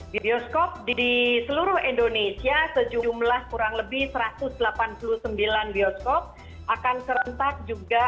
di bioskop di seluruh indonesia sejumlah kurang lebih satu ratus delapan puluh sembilan bioskop akan serentak juga